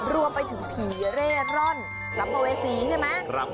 รวมไปถึงผีเร่ร่อนสัมภเวษีใช่ไหม